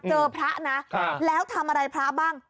พระนะแล้วทำอะไรพระบ้าง